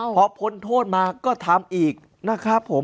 พอพ้นโทษมาก็ทำอีกนะครับผม